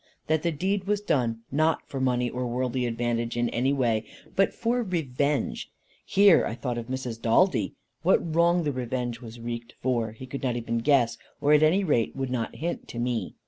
That the deed was done, not for money, or worldly advantage in any way, but for revenge. Here I thought of Mrs. Daldy. What wrong the revenge was wreaked for, he could not even guess, or at any rate would not hint to me.